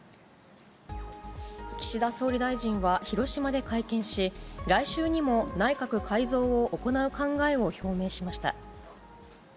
岸田総理大臣は広島で会見し、来週にも内閣改造を行う考えを表明しました。